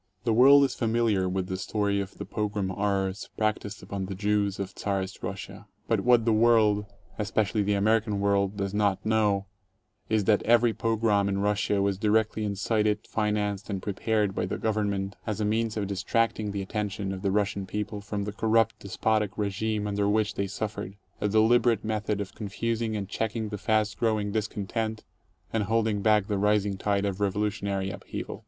The world is familiar with the story of the pogrom horrors prac ticed upon the Jews of Czarist Russia. But what the world, espe* 13 cially the American world, does not know is that every pogrom in Russia was directly incited, financed, and prepared by the Gov ernment as a means of distracting the attention of the Russian people from the corrupt despotic regime under which they suffered — a deliberate method of confusing and checking the fast growing dis content and holding back the rising tide of revolutionary upheaval.